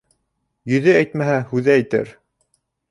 Йөҙө әйтмәһә, һүҙе әйтер.